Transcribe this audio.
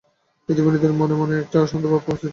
কিন্তু বিনোদিনীরও মনে মনে একটা অশান্ত ভাব উপস্থিত হইল।